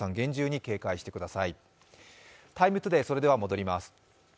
「ＴＩＭＥ，ＴＯＤＡＹ」に戻ります。